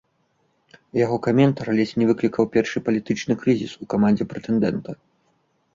Яго каментар ледзь не выклікаў першы палітычны крызіс у камандзе прэтэндэнта.